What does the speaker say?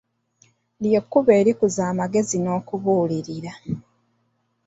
Lye kkubo erikuza amagezi n'okubuulirira.